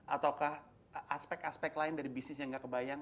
ataukah aspek aspek lain dari bisnis yang nggak kebayang